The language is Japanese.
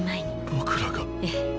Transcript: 僕らが？ええ。